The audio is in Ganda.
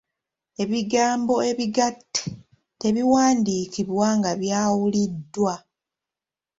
Ebigambo ebigatte tebiwandiikibwa nga byawuliddwa.